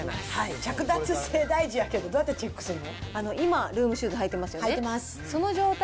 着脱性、大事やけど、どうやってチェックすんの？